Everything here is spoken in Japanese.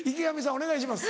お願いします。